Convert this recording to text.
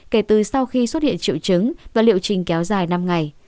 kể từ sau khi xuất hiện triệu chứng và liệu trình kéo dài năm ngày